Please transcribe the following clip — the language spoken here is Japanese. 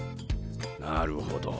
なるほど。